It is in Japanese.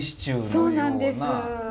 そうなんです。